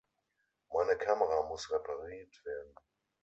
Meine Kamera muss repariert werden.